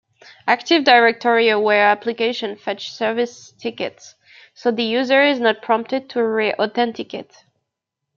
Active Directory-aware applications fetch service tickets, so the user is not prompted to re-authenticate.